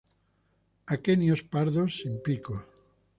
Aquenios pardos, sin picos.